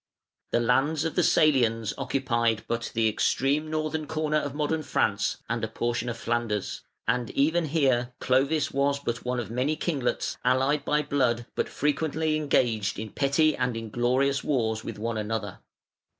The lands of the Salians occupied but the extreme northern corner of modern France, and a portion of Flanders, and even here Clovis was but one of many kinglets allied by blood but frequently engaged in petty and inglorious wars one with another.